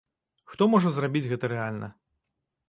Хто можа зрабіць гэта рэальна?